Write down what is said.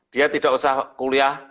dia tidak usah kuliah